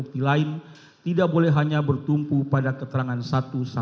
kita harus membuatnya